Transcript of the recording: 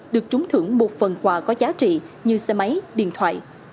được trúng thưởng một phần quà có giá trị như xe máy điện thoại